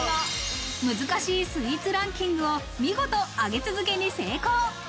難しいスイーツランキングを見事上げ続けに成功。